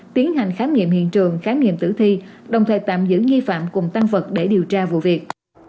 tiến hành khám nghiệm hiện trường khám nghiệm tử thi đồng thời tạm giữ nghi phạm cùng tăng vật để điều tra vụ việc